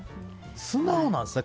素直なんですね。